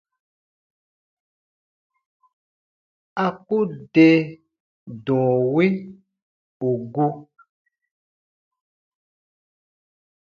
A ku de dɔ̃ɔ wi ù gu.